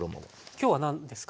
今日は何ですか？